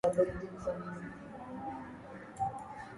kutakuwa na manufaa kutakuwa na manufaa katika chombo hichi kwa sababu